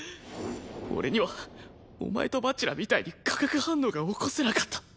俺にはお前と蜂楽みたいに化学反応が起こせなかった。